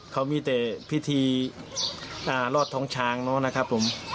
เขามีแต่พิธีรอดท้องช้างเนอะนะครับผม